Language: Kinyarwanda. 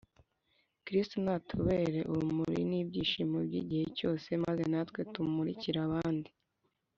kristu natubere urumuri n’ibyishimo by’igihe cyose ; maze natwe tumurikire abandi.